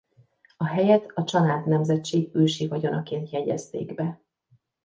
A helyet a Csanád nemzetség ősi vagyonaként jegyezték be.